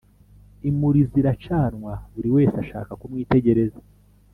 imuri ziracanwa buriwese ashaka kumwitegereza